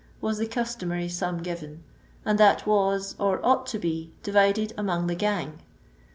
was the customary ram given, and that was, or ought to be, divided among the gang.